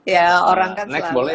ya orang kan selalu ada aja